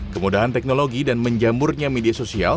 kemudahan teknologi dan menjamurnya media sosial